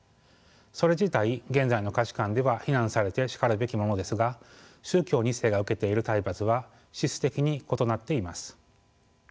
それ自体現在の価値観では非難されてしかるべきものですが宗教２世が受けている体罰は質的に異なっています。